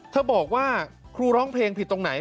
บอกว่าครูร้องเพลงผิดตรงไหน